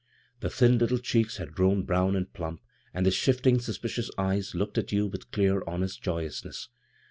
The thin little cheeks had grown brown and plump, and the shifting, suspicious eyes looked at you with clear, honest joyousness.